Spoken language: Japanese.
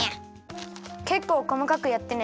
けっこうこまかくやってね。